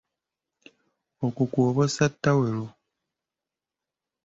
Okwo kw'oba ossa ttawulo.